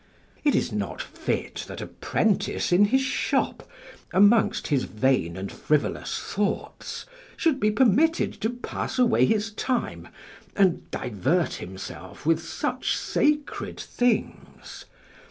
It is not fit that a prentice in his shop, amongst his vain and frivolous thoughts, should be permitted to pass away his time and divert himself with such sacred things.